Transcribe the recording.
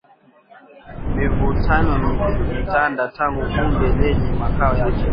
Mivutano imetanda tangu bunge lenye makao yake